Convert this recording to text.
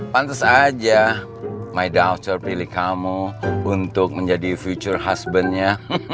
pantes aja my daughter pilih kamu untuk menjadi future husbandnya